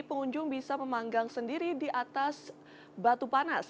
pengunjung bisa memanggang sendiri di atas batu panas